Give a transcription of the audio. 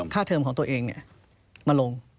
เทอมของตัวเองมาลง